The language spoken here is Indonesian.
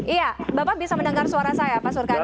iya bapak bisa mendengar suara saya pak surkan